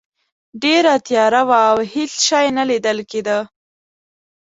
ډیره تیاره وه او هیڅ شی نه لیدل کیده.